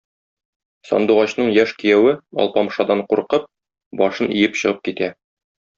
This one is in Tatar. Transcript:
Сандугачның яшь кияве, Алпамшадан куркып, башын иеп чыгып китә.